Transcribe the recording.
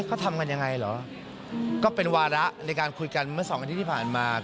เขาทำกันยังไงเหรอก็เป็นวาระในการคุยกันเมื่อสองอาทิตย์ที่ผ่านมา